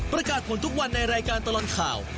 ประกาศผลทุกวันในรายการตลอดข่าว